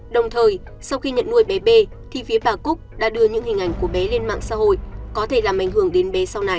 đồng thời sau khi nhận nuôi bé b thì phía bà cúc đã đưa những hình ảnh của bé lên mạng xã hội có thể làm ảnh hưởng đến bé sau này